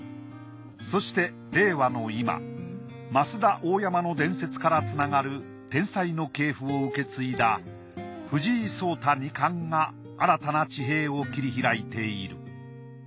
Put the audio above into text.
そして令和の今升田・大山の伝説からつながる天才の系譜を受け継いだ藤井聡太二冠が新たな地平を切り開いている。